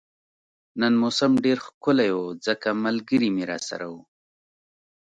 نن موسم ډیر ښکلی وو ځکه ملګري مې راسره وو